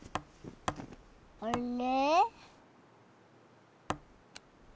あれ？